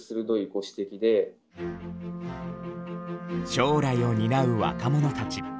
将来を担う若者たち。